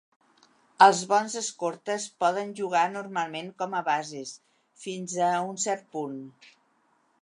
Els bons escortes poden jugar normalment com a bases, fins a un cert punt.